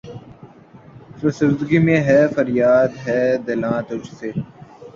فسردگی میں ہے فریادِ بے دلاں تجھ سے